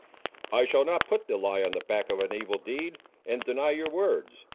"I shall not put the lie on the back of an evil deed, and deny your words.